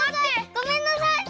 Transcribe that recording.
ごめんなさい。